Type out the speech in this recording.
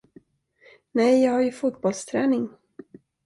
Nej, jag har ju fotbollsträning.